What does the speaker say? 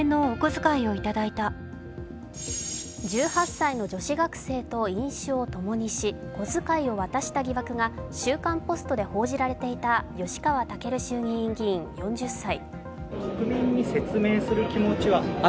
１８歳の女子学生と飲酒を共にし小遣いを渡した疑惑が「週刊ポスト」で報じられていた吉川赳衆議院議員４０歳。